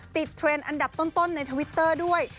เทรนด์อันดับต้นในทวิตเตอร์ด้วย